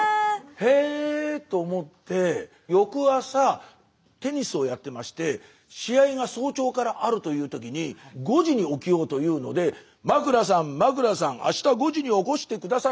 へえと思って翌朝テニスをやってまして試合が早朝からあるという時に５時に起きようというので「枕さん枕さんあした５時に起こして下さい」